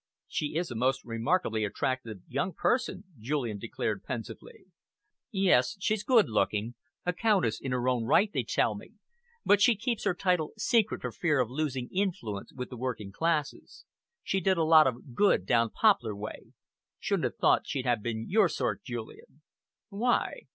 "She is a most remarkably attractive young person," Julian declared pensively. "Yes, she's good looking. A countess in her own right, they tell me, but she keeps her title secret for fear of losing influence with the working classes. She did a lot of good down Poplar way. Shouldn't have thought she'd have been your sort, Julian." "Why?"